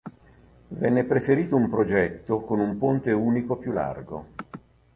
Venne preferito un progetto con un ponte unico più largo.